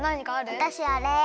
わたしあれ。